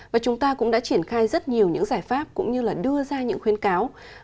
và chúng ta cũng đã triển khai rất nhiều những giải pháp cũng như là đưa ra những khuyến cáo